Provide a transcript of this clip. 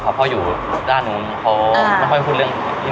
มีขอเสนออยากให้แม่หน่อยอ่อนสิทธิ์การเลี้ยงดู